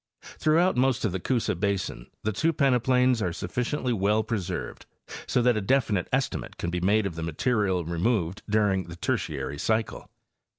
Throughout most of the Coosa basin the two peneplains are sufficiently well pre served so that a definite estimate can be made of the material removed during the Tertiary cycle.